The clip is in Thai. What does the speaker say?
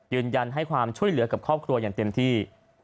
ยืนยันให้ความช่วยเหลือกับครอบครัวอย่างเต็มที่